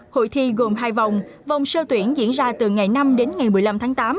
hội thi gồm hai vòng vòng sơ tuyển diễn ra từ ngày năm đến ngày một mươi năm tháng tám